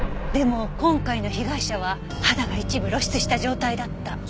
でも今回の被害者は肌が一部露出した状態だった。